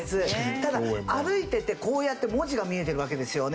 ただ歩いててこうやって文字が見えてるわけですよね。